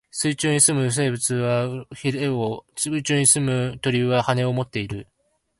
水中に棲む魚は鰭を、空中に棲む鳥は翅をもっている。